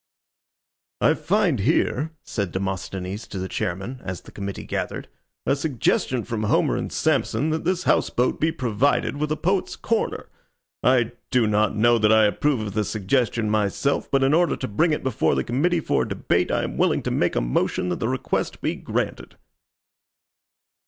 "I find here," said Demosthenes to the chairman, as the committee gathered, "a suggestion from Homer and Samson that this house boat be provided with a Poets' Corner. I do not know that I approve of the suggestion myself, but in order to bring it before the committee for debate I am willing to make a motion that the request be granted."